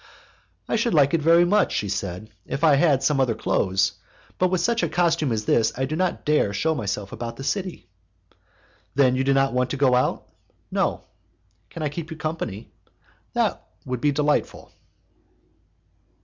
"I should like it very much," she said, "if I had some other clothes; but with such a costume as this I do not care to shew myself about the city." "Then you do not want to go out?" "No." "Can I keep you company?" "That would be delightful."